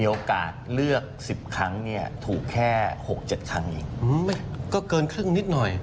โอกาสเลือกสิบครั้งเนี่ยถูกแค่หกเจ็ดครั้งอีกอืมก็เกินครึ่งนิดหน่อย